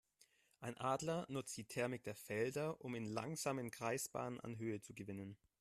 Ein Adler nutzt die Thermik der Felder, um in langsamen Kreisbahnen an Höhe zu gewinnen.